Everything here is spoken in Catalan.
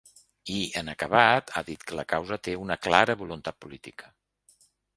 I, en acabat, ha dit que la causa té ‘una clara voluntat política’.